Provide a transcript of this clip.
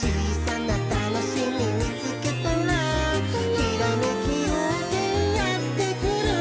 「ひらめきようせいやってくる」